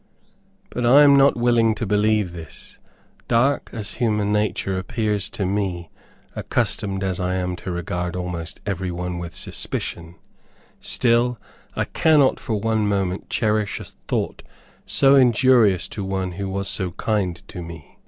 But I am not willing to believe this. Dark as human nature appears to me accustomed as I am to regard almost every one with suspicion still I cannot for one moment cherish a thought so injurious to one who was so kind to me.